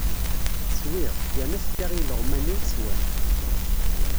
Swiɣ, yerna tefka i ileɣwman-iw, swan.